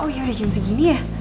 oh iya udah jam segini ya